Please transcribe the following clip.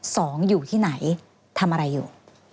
สองอยู่ที่ไหนทำอะไรอยู่